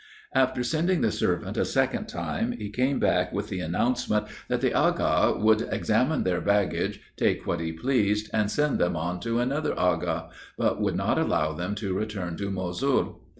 After sending the servant a second time, he came back with the announcement that the Agha would examine their baggage, take what he pleased, and send them on to another Agha; but would not allow them to return to Mosul.